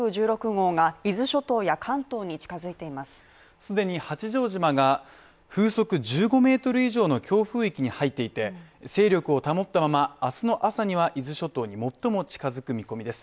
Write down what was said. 既に八丈島が風速１５メートル以上の強風域に入っていて勢力を保ったまま、あすの朝には伊豆諸島に最も近づく見込みです。